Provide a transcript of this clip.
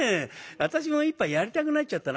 私も一杯やりたくなっちゃったな。